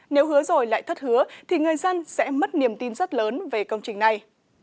nếu hứa rồi lại thất hứa thì người dân sẽ mất niềm tin rất lớn về công trình này